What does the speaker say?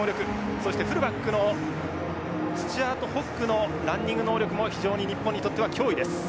そしてフルバックのスチュアートホッグのランニング能力も非常に日本にとっては脅威です。